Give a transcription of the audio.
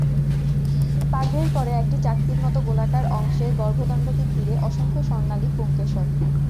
পাপড়ির পরে একটি চাকতির মতো গোলাকার অংশে গর্ভদণ্ডকে ঘিরে অসংখ্য স্বর্ণালি পুংকেশর।